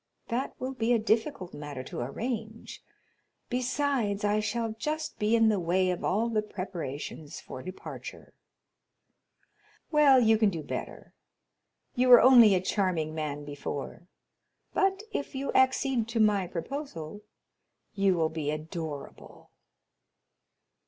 —that will be a difficult matter to arrange, besides, I shall just be in the way of all the preparations for departure." "Well, you can do better. You were only a charming man before, but, if you accede to my proposal, you will be adorable."